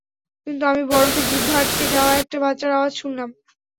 কিন্তু আমি বরফে জিহ্বা আঁটকে যাওয়া একটা বাচ্চার আওয়াজ শুনলাম।